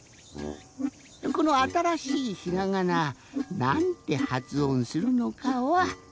このあたらしいひらがななんてはつおんするのかは。